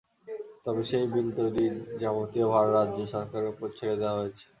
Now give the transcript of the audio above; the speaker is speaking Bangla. তবে সেই বিল তৈরির যাবতীয় ভার রাজ্য সরকারের ওপর ছেড়ে দেওয়া হয়েছে।